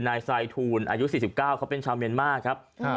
นายไซทูลอายุ๔๙เขาเป็นชาวเมียนมาครับ